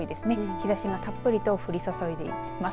日ざしはたっぷりと降り注いでいます。